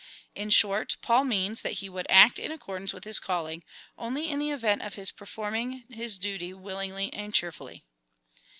In short, Paul means, that he would act in accordance with his calling, only in the event of his performing his duty willingly and cheerfully.